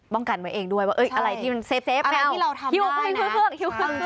มองกันไว้เองด้วยว่าอะไรที่มันเซฟไม่เอาคือเพิ่ง